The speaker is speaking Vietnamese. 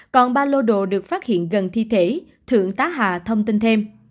còn ba lô đồ được phát hiện gần thi thể thượng tá hà thông tin thêm